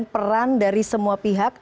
peran dari semua pihak